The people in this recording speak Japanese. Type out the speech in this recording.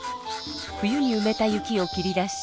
冬にうめた雪を切り出し。